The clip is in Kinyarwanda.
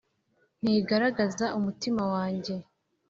ntigaragaza umutima wanjye.